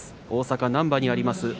大阪・難波にあります